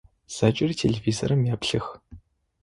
Зэкӏэри телевизорым еплъых.